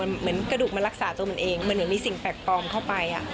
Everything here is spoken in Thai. เหมือนกระดูกมันรักษาตัวมันเองเหมือนมีสิ่งแปลกปลอมเข้าไป